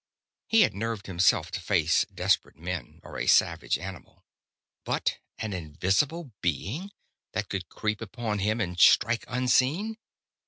He had nerved himself to face desperate men, or a savage animal. But an invisible being, that could creep upon him and strike unseen!